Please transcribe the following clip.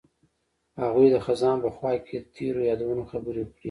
هغوی د خزان په خوا کې تیرو یادونو خبرې کړې.